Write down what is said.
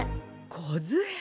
こずえ。